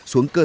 xuống cơ sở